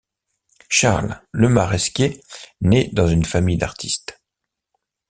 Charles Lemaresquier naît dans une famille d'artistes.